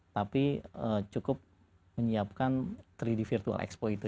tapi cukup menyiapkan tiga d virtual expo itu